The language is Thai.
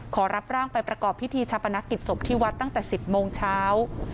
ขอรับร่างไปประกอบพิธีชาปนกิจศพที่วัดตั้งแต่๑๐โมงเช้า